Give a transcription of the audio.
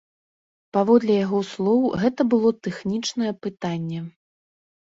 Паводле яго слоў, гэта было тэхнічнае пытанне.